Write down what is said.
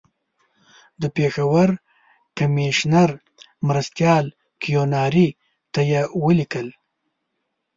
د پېښور کمیشنر مرستیال کیوناري ته یې ولیکل.